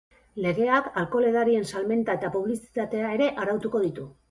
Legeak alkohol edarien salmenta eta publizitatea ere arautuko du.